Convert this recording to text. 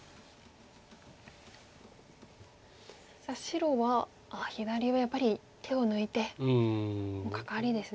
さあ白は左上やっぱり手を抜いてもうカカリですね。